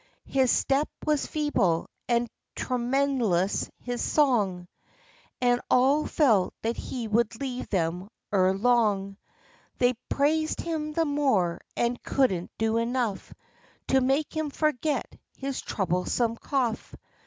His step was feeble, and tremulous his song; And all felt that he would leave them ere long. They praised him the more, and couldn't do enough, To make him forget his troublesome cough.